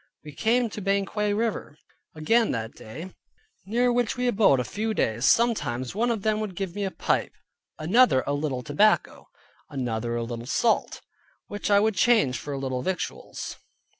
We came to Banquang river again that day, near which we abode a few days. Sometimes one of them would give me a pipe, another a little tobacco, another a little salt: which I would change for a little victuals.